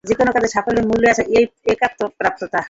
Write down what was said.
যে-কোন কাজে সাফল্যের মূলে আছে এই একাগ্রতা।